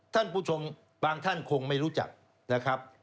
ท่านผู้ชมบางท่านคงไม่รู้จักนะครับ